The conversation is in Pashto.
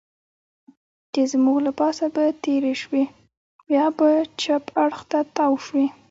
چې زموږ له پاسه به تېرې شوې، بیا به چپ اړخ ته تاو شوې.